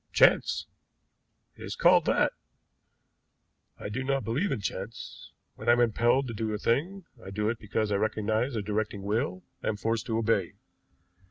Chance! It is called that. I do not believe in chance. When I am impelled to do a thing, I do it because I recognize a directing will I am forced to obey.